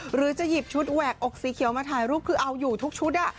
หรือจะหยิบชุดแหวกอกสีเขียวมาถ่ายรูปคือเอาอยู่ทุกชุด